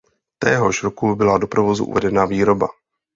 Téhož roku byla do provozu uvedena výrobna.